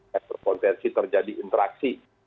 ketua potensi terjadi interaksi